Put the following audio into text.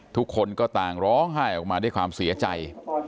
ทุกคนก็ต่างร้องไห้ออกมาด้วยความเสียใจ